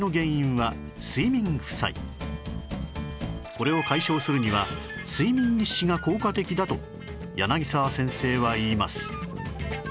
これを解消するには睡眠日誌が効果的だと柳沢先生は言います